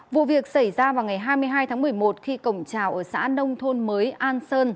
vụ việc xảy ra vào ngày hai mươi hai tháng một mươi một khi cổng trào ở xã nông thôn mới an sơn